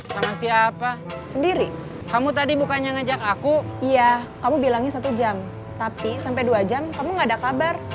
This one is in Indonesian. kamu tadi bukannya ngajak aku iya kamu bilangnya satu jam tapi sampai dua jam kamu nggak ada kabar